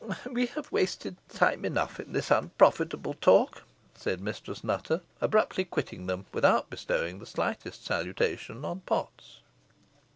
"We have wasted time enough in this unprofitable talk," said Mistress Nutter, abruptly quitting them without bestowing the slightest salutation on Potts.